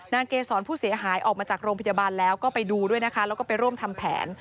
เกษรผู้เสียหายออกมาจากโรงพยาบาลแล้วก็ไปดูด้วยนะคะแล้วก็ไปร่วมทำแผน